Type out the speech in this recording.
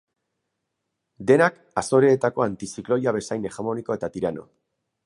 Denak Azoreetako antizikloia bezain hegemoniko eta tirano.